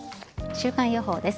週間予報です。